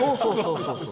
そうそう。